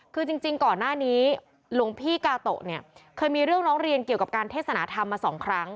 คือจริงก่อนหน้านี้หลวงพี่กาโตะเนี่ยเคยมีเรื่องร้องเรียนเกี่ยวกับการเทศนธรรมมาสองครั้ง